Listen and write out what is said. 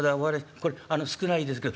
これあの少ないですけど」。